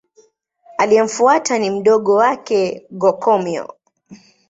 Aliyemfuata ni mdogo wake Go-Komyo.